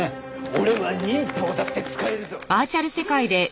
俺は忍法だって使えるぞ！